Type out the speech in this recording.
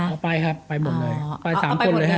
เอาไปครับไปหมดเลยเอาไปหมดเลย